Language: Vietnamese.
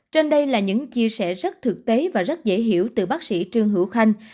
trên đây là những chia sẻ rất thực tế và rất dễ hiểu từ bác sĩ trương hữu khanh